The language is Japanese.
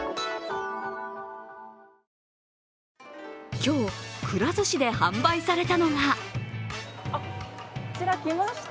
今日、くら寿司で販売されたのがあっ、来ました。